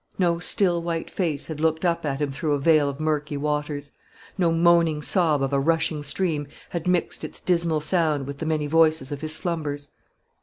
No still white face had looked up at him through a veil of murky waters. No moaning sob of a rushing stream had mixed its dismal sound with the many voices of his slumbers.